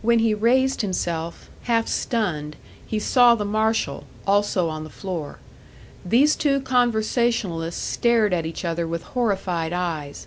When he raised himself, half stunned, he saw the marshal, also on the floor; these two conversationalists stared at each other with horrified eyes.